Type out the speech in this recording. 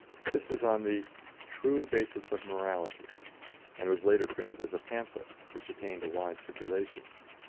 This was on the "True Basis of Morality," and was later printed as a pamphlet, which attained a wide circulation.